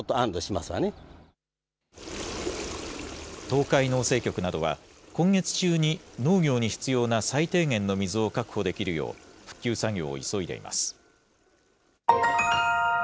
東海農政局などは、今月中に農業に必要な最低限の水を確保できるよう、復旧作業を急いでいます。